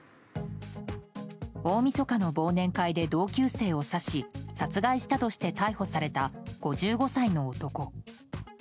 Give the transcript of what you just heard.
大みそかの忘年会で同級生を刺し殺害したとして逮捕された５５歳の男。